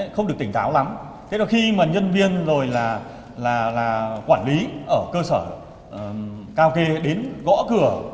không được tỉnh táo lắm thế là khi mà nhân viên rồi là quản lý ở cơ sở kake đến gõ cửa